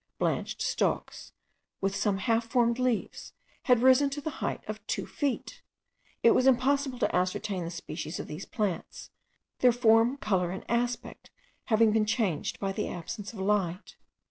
Blanched stalks, with some half formed leaves, had risen to the height of two feet. It was impossible to ascertain the species of these plants, their form, colour, and aspect having been changed by the absence of light.